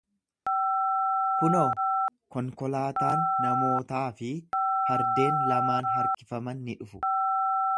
Kunoo, konkolaataan namootaa fi fardeen lamaan harkifaman ni dhufu.